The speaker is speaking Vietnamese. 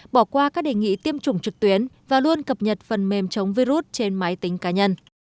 bỏ qua các đề nghị tiêm chủng trực tuyến và luôn cập nhật phần mềm chống virus trên máy tính cá nhân